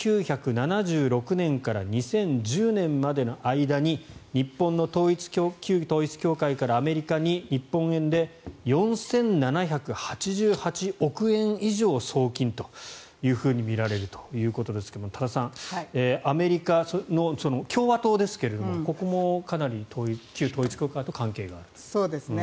１９７６年から２０１０年までの間に日本の旧統一教会からアメリカに日本円で４７８８億円以上送金というふうにみられるということですが多田さんアメリカの共和党ですけれどここもかなり旧統一教会と関係があると。